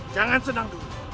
jangan senang dulu